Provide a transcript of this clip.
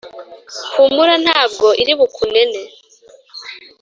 humura ntabwo iri bukunene